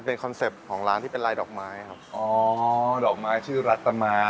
เป็นคอนเซ็ปต์ของร้านที่เป็นลายดอกไม้ครับอ๋อดอกไม้ชื่อรัตมา